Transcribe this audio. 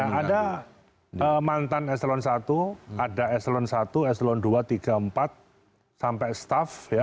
ya ada mantan eselon i ada eselon i eselon ii ii iv sampai staff